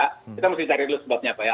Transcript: kita mesti cari dulu sebabnya pak ya